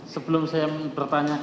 sebelum saya bertanya